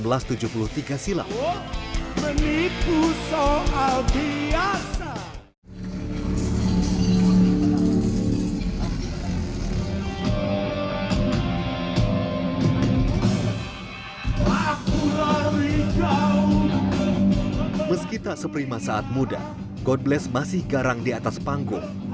meskipun seprima saat muda god bless masih garang di atas panggung